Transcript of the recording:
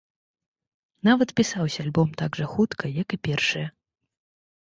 Нават пісаўся альбом так жа хутка, як і першыя.